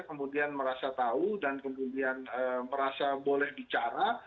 kemudian merasa tahu dan kemudian merasa boleh bicara